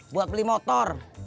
buat beli motor